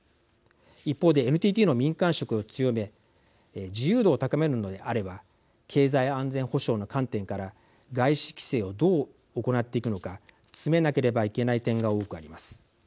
一方でＮＴＴの民間色を強め自由度を高めるのであれば経済安全保障の観点から外資規制をどう行っていくのか詰めなければいけない点が多くあります。